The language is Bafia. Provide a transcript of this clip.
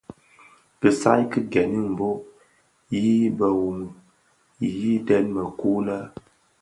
Kisai ki gen dhi bhoo yi biwumi yidèň mëkuu lè.